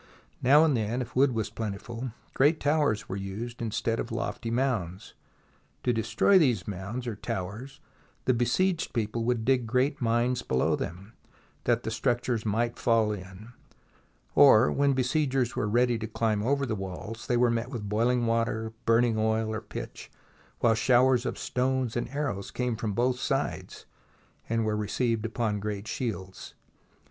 Now and then, if wood was plentiful, great towers were used instead of lofty mounds. To destroy these mounds, or towers, the besieged people would dig great mines below them, that the structures might fall in; or, when besiegers were ready to climb over the walls, they were met with boiling water, burning oil, or pitch, while showers of stones and arrows came from both sides and were received upon great shields.